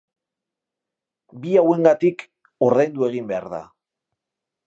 Bi hauengatik ordaindu egin behar da.